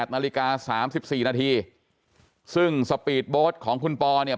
นาฬิกา๓๔นาทีซึ่งสปีดโบ๊ทของคุณปอเนี่ย